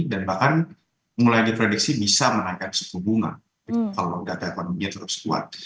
dan bahkan mulai diprediksi bisa menaikkan suku bunga kalau data ekonominya tetap kuat